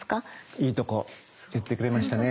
いいとこ言ってくれましたね。